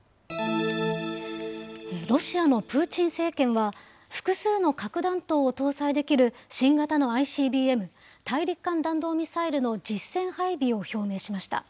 ロシアのプーチン政権は、複数の核弾頭を搭載できる、新型のＩＣＢＭ・大陸間弾道ミサイルの実戦配備を表明しました。